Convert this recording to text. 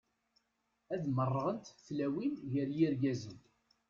Ad merrɣent tlawin gar yirgazen.